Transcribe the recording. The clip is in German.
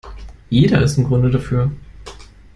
Jeder ist im Grunde dafür.